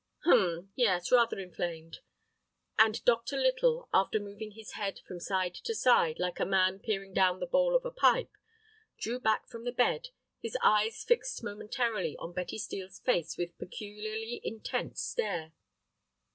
Hum, yes, rather inflamed," and Dr. Little, after moving his head from side to side, like a man peering down the bowl of a pipe, drew back from the bed, his eyes fixed momentarily on Betty Steel's face with a peculiarly intent stare.